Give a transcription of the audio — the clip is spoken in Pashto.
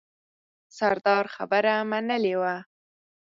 سردار خبره منلې وه.